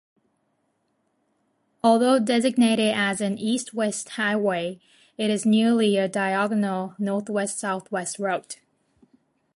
Although designated as an east-west highway, it is nearly a diagonal northwest-southeast route.